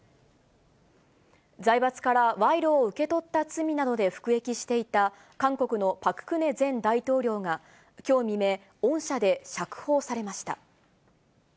財閥から賄賂を受け取った罪などで服役していた、韓国のパク・クネ前大統領が、きょう未明、恩赦で釈放されました。